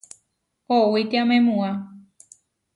Owítiamemua.